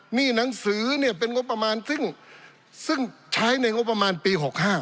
หนี้หนังสือเนี่ยเป็นงบประมาณซึ่งใช้ในงบประมาณปี๖๕